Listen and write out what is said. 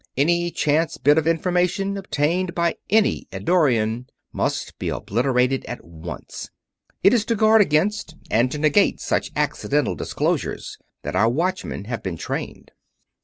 Any chance bit of information obtained by any Eddorian must be obliterated at once. It is to guard against and to negate such accidental disclosures that our Watchmen have been trained."